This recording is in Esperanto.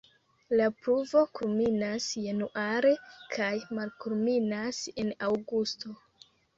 La pluvo kulminas januare kaj malkulminas en aŭgusto.